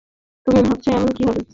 তুমি ভাবছো এখন কী হবে।